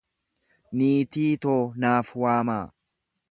Niitii too naaf waamaa